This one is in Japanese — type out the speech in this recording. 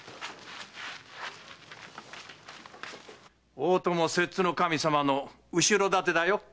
大友摂津守様の後ろ盾だよ。